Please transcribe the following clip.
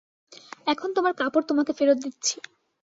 এখন তোমার কাপড় তোমাকে ফেরত দিচ্ছি।